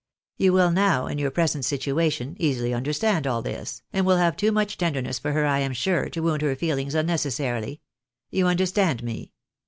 You will now, in your present situation, easily understand all this, and will have too much tender ness for her, I am sure, to wound her feehngs unnecessarily. You understand me